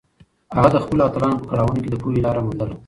هغه د خپلو اتلانو په کړاوونو کې د پوهې لاره موندله.